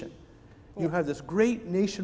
anda harus membuat keputusan